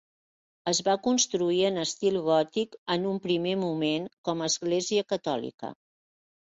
Es va construir en estil gòtic en un primer moment com a església catòlica.